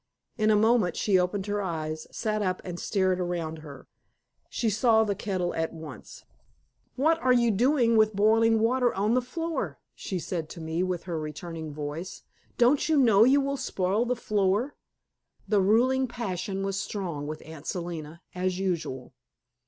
In a moment she opened her eyes, sat up and stared around her. She saw the kettle at once. "What are you doing with boiling water on the floor?" she said to me, with her returning voice. "Don't you know you will spoil the floor?" The ruling passion was strong with Aunt Selina, as usual.